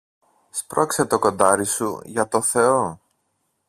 Σπρώξε το κοντάρι σου, για το Θεό